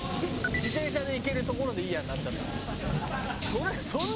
自転車で行ける所でいいやになっちゃったんだから。